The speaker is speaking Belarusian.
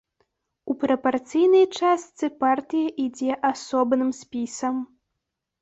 У прапарцыйнай частцы партыя ідзе асобным спісам.